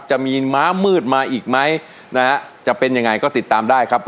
จะมีม้ามืดมาอีกไหมนะฮะจะเป็นยังไงก็ติดตามได้ครับ